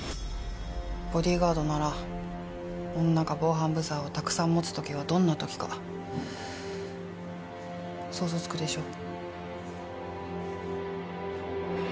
ボディーガードなら女が防犯ブザーをたくさん持つ時はどんな時か想像つくでしょ？